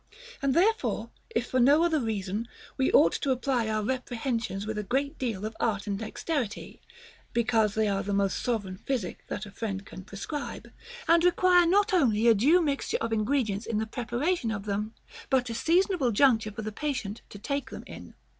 And therefore, if for no other reason, we ought to apply our reprehensions with a great deal of art and dexterity, because they are the most sov ereign physic that a friend can prescribe, and require not only a due mixture of ingredients in the preparation of them but a seasonable juncture for the patient to take them in.